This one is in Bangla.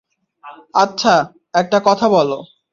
আচ্ছা, একটা কথা বলো।